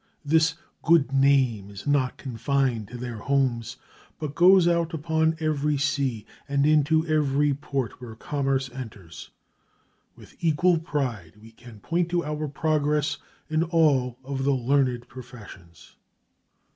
This "good name" is not confined to their homes, but goes out upon every sea and into every port where commerce enters. With equal pride we can point to our progress in all of the learned professions.